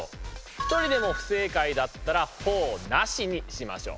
一人でも不正解だったらほぉなしにしましょう。